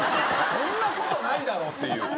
そんな事ないだろうっていう。